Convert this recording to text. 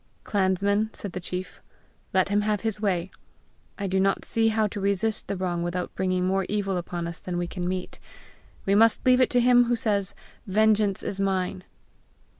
"Clansmen," said the chief, "let him have his way. I do not see how to resist the wrong without bringing more evil upon us than we can meet. We must leave it to him who says 'Vengeance is mine.'"